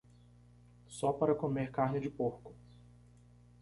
Só para comer carne de porco